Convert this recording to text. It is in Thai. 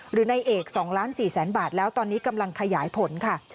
หรือนายเอก๒๔๐๐๐๐๐บาทแล้วตอนนี้กำลังขยายผลค่ะ